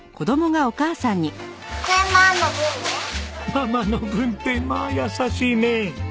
「ママの分」ってまあ優しいね。